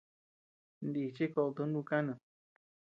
Nichi koʼöd tum nub kanid.